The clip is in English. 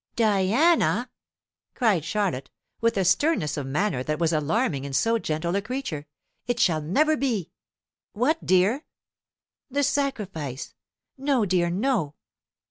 "Diana!" cried Charlotte, with a sternness of manner that was alarming in so gentle a creature, "it shall never be!" "What dear?" "The sacrifice! No, dear, no!